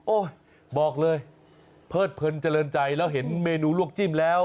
บอกเลยเพิดเพลินเจริญใจแล้วเห็นเมนูลวกจิ้มแล้ว